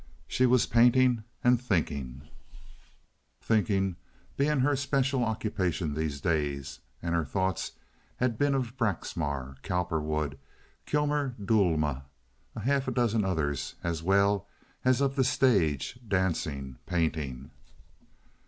She was painting and thinking—thinking being her special occupation these days, and her thoughts had been of Braxmar, Cowperwood, Kilmer Duelma, a half dozen others, as well as of the stage, dancing, painting.